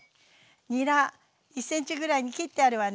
にら１ｃｍぐらいに切ってあるわね。